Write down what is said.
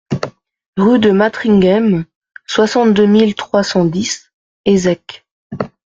Rue de Matringhem, soixante-deux mille trois cent dix Hézecques